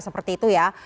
seperti itu ya